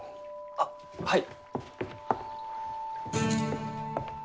あっはい。